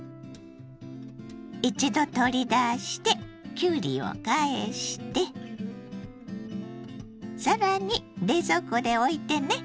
一度取り出してきゅうりを返して更に冷蔵庫でおいてね。